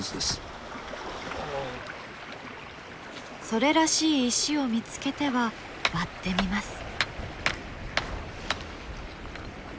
それらしい石を見つけては割ってみます。